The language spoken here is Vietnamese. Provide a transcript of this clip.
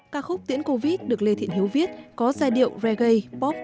ca khúc tiễn covid được lê thiện hiếu viết có giai điệu regei pop